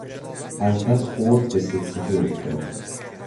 از بس خورد به سکسکه افتاد.